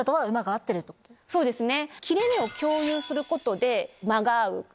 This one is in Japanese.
そうですね。